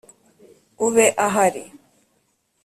ube ahari.